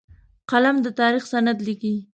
قلم د تاریخ سند لیکي